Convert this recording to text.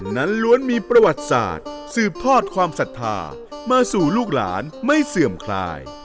ล้วนมีประวัติศาสตร์สืบทอดความศรัทธามาสู่ลูกหลานไม่เสื่อมคลาย